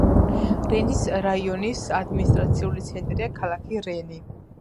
რენის რაიონის ადმინისტრაციული ცენტრია ქალაქი რენი.